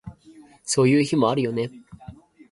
そういう日もあるよね